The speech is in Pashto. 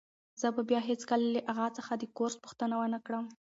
زه به بیا هیڅکله له اغا څخه د کورس پوښتنه ونه کړم.